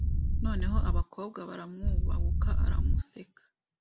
Noneho ab akobwa baramwubahuka aramuseka